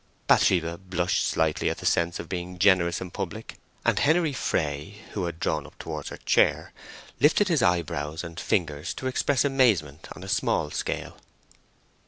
Bathsheba blushed slightly at the sense of being generous in public, and Henery Fray, who had drawn up towards her chair, lifted his eyebrows and fingers to express amazement on a small scale.